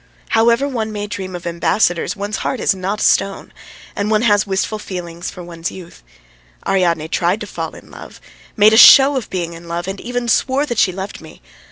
However one may dream of ambassadors one's heart is not a stone, and one has wistful feelings for one's youth. Ariadne tried to fall in love, made a show of being in love, and even swore that she loved me.